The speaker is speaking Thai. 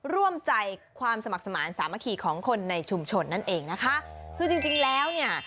ร่วมใจความสมัครสมาธิสามัคคีของคนในชุมชนนั่นเองนะคะคือจริงจริงแล้วเนี่ย